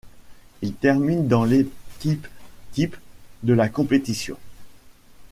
Il termine dans l'équipe type de la compétition.